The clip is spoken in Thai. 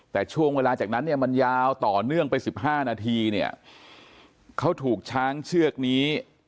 แต่ช่วงเวลาจากนั้นเนี่ยมันยาวต่อเนื่องไป๑๕นาทีเนี่ยเขาถูกช้างเชือกนี้